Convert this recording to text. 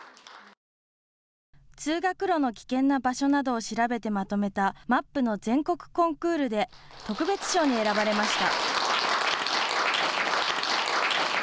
通学路の危険な場所などを調べてまとめたマップの全国コンクールで特別賞に選ばれました。